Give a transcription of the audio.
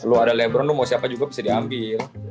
lu ada lebron lu mau siapa juga bisa diambil